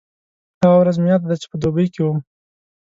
هغه ورځ مې یاده ده چې په دوبۍ کې وم.